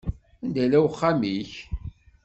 Anda yella uxxam-ik?